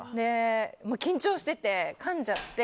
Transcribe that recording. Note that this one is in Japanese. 緊張してて、かんじゃって。